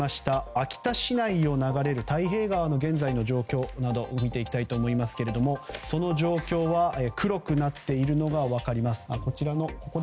秋田市内を流れる太平川の現在の状況など見ていきたいと思いますがその状況は黒くなっているのが分かります。